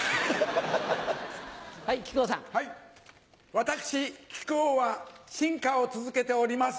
私木久扇は進化を続けております。